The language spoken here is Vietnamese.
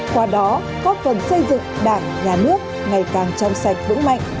qua đó góp phần xây dựng đảng nhà nước ngày càng trong sạch vững mạnh